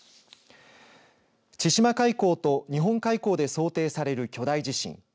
千島海溝と日本海溝で想定される巨大地震。